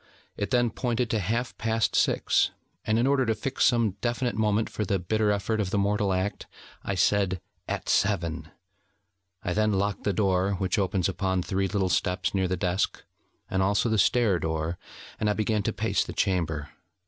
It then pointed to half past six, and in order to fix some definite moment for the bitter effort of the mortal act, I said: 'At Seven.' I then locked the door which opens upon three little steps near the desk, and also the stair door; and I began to pace the chamber.